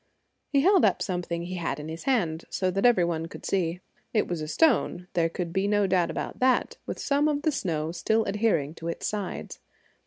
He held up something he had in his hand, so that every one could see. It was a stone, there could be no doubt about that, with some of the snow still adhering to its sides.